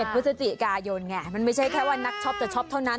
พฤศจิกายนไงมันไม่ใช่แค่ว่านักช็อปจะช็อปเท่านั้น